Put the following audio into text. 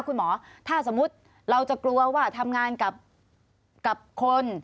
คุณหมอถ้าสมมุติเราจะกลัวว่าทำงานกับคน